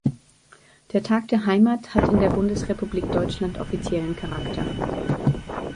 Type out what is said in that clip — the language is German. Der Tag der Heimat hat in der Bundesrepublik Deutschland offiziellen Charakter.